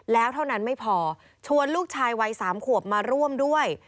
แล้วเท่านั้นไม่พอชวนลูกชายวัย๓ขวบมาร่วมด้วย